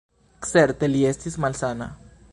Certe li estis malsana.